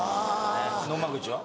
野間口は？